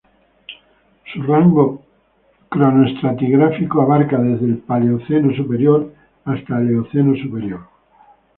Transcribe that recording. Su rango cronoestratigráfico abarca desde el Paleoceno superior hasta la Eoceno superior.